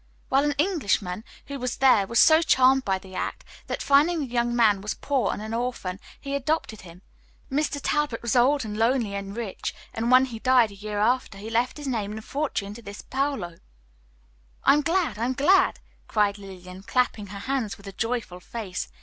"Well, an Englishman who was there was so charmed by the act that, finding the young man was poor and an orphan, he adopted him. Mr. Talbot was old, and lonely, and rich, and when he died, a year after, he left his name and fortune to this Paolo." "I'm glad, I'm glad!" cried Lillian, clapping her hands with a joyful face.